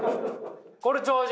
これ超人。